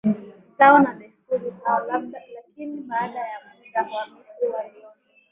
zao na desturi zao Lakini baada ya muda Wamisri waliona